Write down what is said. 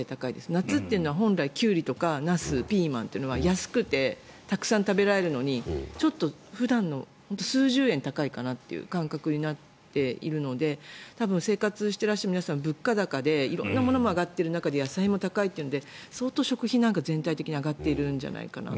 夏というのは本来キュウリ、ナスピーマンというのは安くてたくさん食べられるのにちょっと普段より数十円高いかなという感覚になっているので生活していらっしゃる皆さん物価高で色んなものが上がっている中で野菜も高いというので相当、食費なんか全体的に上がっているんじゃないかなと。